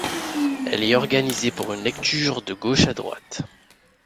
Elle est organisée pour une lecture de gauche à droite.